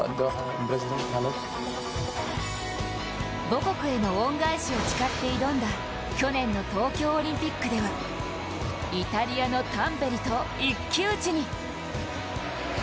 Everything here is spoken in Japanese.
母国への恩返しを誓って挑んだ去年の東京オリンピックでは、イタリアのタンベリと一騎打ちに。